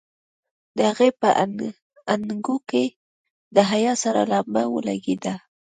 د هغې په اننګو کې د حيا سره لمبه ولګېده.